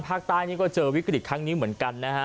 ภาคใต้นี่ก็เจอวิกฤตครั้งนี้เหมือนกันนะฮะ